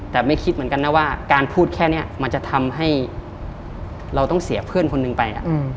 แต่ไม่คิดเหมือนกันนะว่าการพูดแค่นี้มันจะทำให้เราต้องเสียเพื่อนคนหนึ่งไป